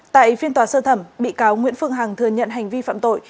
tại phiên tòa sơ thẩm bị cáo nguyễn phương hằng thừa nhận hành vi phạm tội